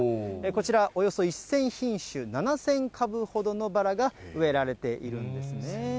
こちら、およそ１０００品種、７０００株ほどのバラが植えられているんですね。